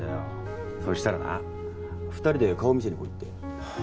そしたらな２人で顔を見せに来いって。